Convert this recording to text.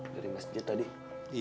dari masjid tadi